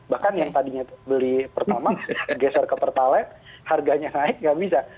bahkan yang tadinya beli pertama geser ke pertalite harganya naik nggak bisa